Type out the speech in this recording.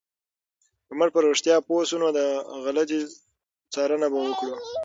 که موږ په رښتیا پوه شو، نو د غلطي څارنه به وکړو.